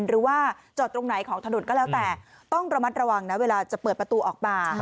หรือว่าจอดตรงไหนของถนนก็แล้วแต่ต้องระมัดระวังนะเวลาจะเปิดประตูออกมา